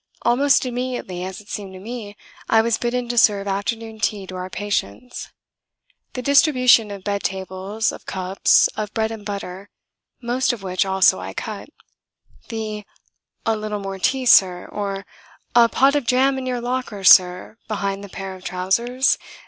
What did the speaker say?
Almost immediately, as it seemed to me, I was bidden to serve afternoon tea to our patients. The distribution of bed tables, of cups, of bread and butter (most of which, also, I cut); the "A little more tea, Sir?" or, "A pot of jam in your locker, Sir, behind the pair of trousers?...